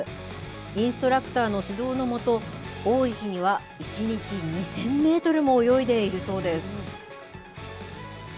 インストラクターの指導の下、多い日には１日２０００メートルも泳いでいるそうです。